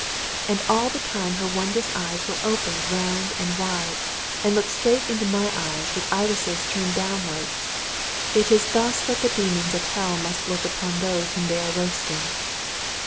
And all the time her wondrous eyes were opened round and wide, and looked straight into my eyes with irises turned downwards. It is thus that the demons of hell must look upon those whom they are roasting!